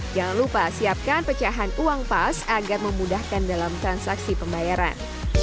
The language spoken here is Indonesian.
jangan lupa siapkan pecahan uang pas agar memudahkan dalam transaksi pembayaran